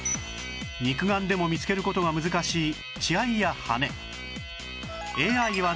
肉眼でも見つける事が難しい血合いや羽根